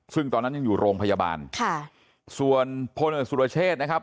ซึ่งตอนนั้นยังอยู่โรงพยาบาลค่ะส่วนพลเอกสุรเชษนะครับ